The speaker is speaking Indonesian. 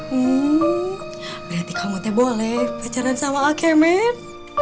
hmm berarti kamu boleh pacaran sama aku emet